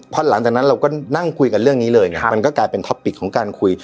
พอหลังจากนั้นเราก็นั่งคุยกันเรื่องนี้เลยครับมันก็กลายเป็นของการคุย